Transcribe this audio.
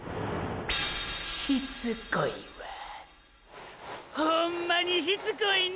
しつこいわほんまにしつこいね